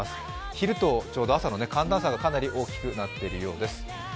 昼と朝の寒暖差がかなり大きくなっているようです。